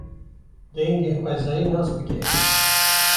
Dengên xwezayî nas bike.